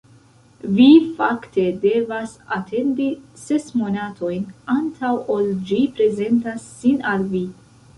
Vi fakte devas atendi ses monatojn, antaŭ ol ĝi prezentas sin al vi.